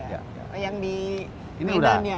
yang di medan ya